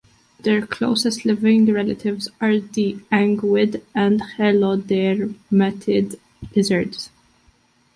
Their closest living relatives are the anguid and helodermatid lizards.